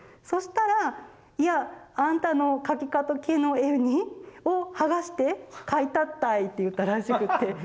そしたら「いやあんたの描きかけの絵を剥がして描いたったい」って言ったらしくて。